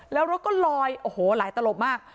แล้วรถก็ลอยโอ้โหหลายตลบมาก